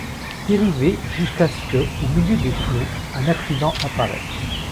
Dériver jusqu’à ce que, au milieu des flots, un accident apparaisse.